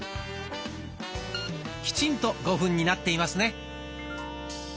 きちんと５分になっていますね。